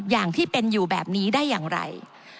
อย่างที่เป็นอยู่แบบนี้ได้อย่างไร